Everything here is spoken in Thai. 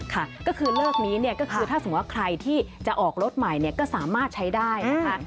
ค่ะก็คือเลิกนี้เนี่ยก็คือถ้าสมมุติว่าใครที่จะออกรถใหม่ก็สามารถใช้ได้นะคะ